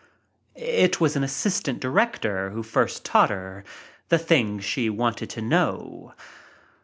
It was an assistant director who first thaught her the things she wanted to know.